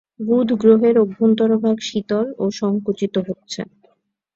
বুধ গ্রহের অভ্যন্তরভাগ শীতল ও সংকুচিত হচ্ছে।